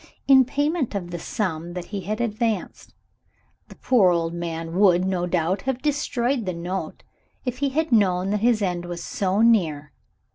in payment of the sum that he had advanced. The poor old man would, no doubt, have destroyed the note if he had known that his end was so near.